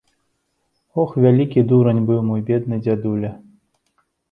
Ох, вялікі дурань быў мой бедны дзядуля.